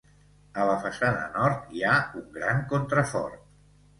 A la façana nord hi ha un gran contrafort.